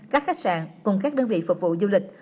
các khách sạn cùng các đơn vị phục vụ du lịch